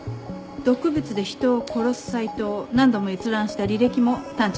毒物で人を殺すサイトを何度も閲覧した履歴も探知しています。